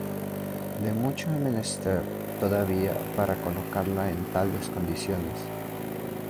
De mucho ha menester todavía para colocarla en tales condiciones.